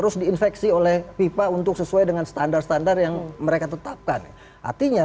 menginfeksi oleh fifa untuk sesuai dengan standar standar yang mereka tetapkan artinya